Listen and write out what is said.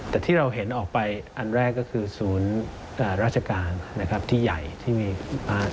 แต่ที่เราเห็นออกไปอันแรกก็คือศูนย์ราชการนะครับที่ใหญ่ที่มีอ่า